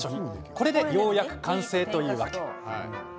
これで、ようやく完成というわけ。